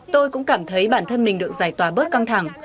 tôi cũng cảm thấy bản thân mình được giải tỏa bớt căng thẳng